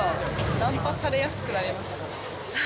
ナンパされやすくなりました。